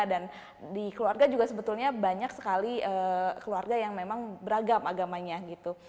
di keluarga juga sebetulnya banyak sekali keluarga yang memang beragam agamanya gitu